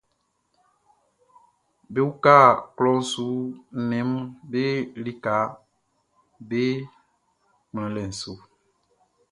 Be uka klɔʼn su nnɛnʼm be likaʼm be kplanlɛʼn su.